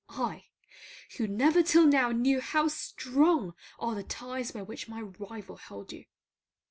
I, who never till now knew how strong are the ties by which my rival held you.